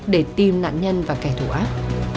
để tìm nạn nhân và kẻ thù ác